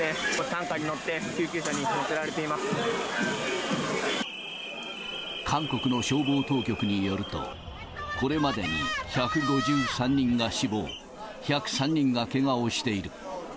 担架に乗って、救急車に乗せられ韓国の消防当局によると、これまでに１５３人が死亡、１０３人がけがをしている。